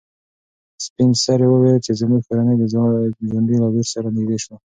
سپین سرې وویل چې زموږ کورنۍ د ځونډي له لور سره نږدې شوه.